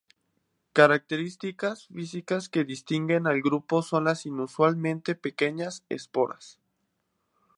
Características físicas que distinguen al grupo son las inusualmente pequeñas esporas.